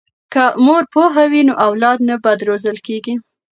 که مور پوهه وي نو اولاد نه بد روزل کیږي.